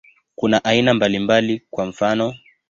Kuna aina mbalimbali, kwa mfano.